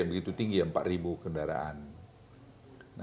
begitu tinggi ya empat ribu kendaraan